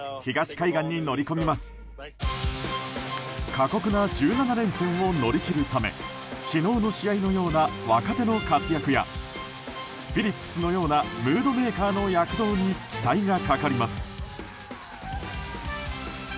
過酷な１７連戦を乗り切るため昨日の試合のような若手の活躍やフィリップスのようなムードメーカーの躍動に期待がかかります。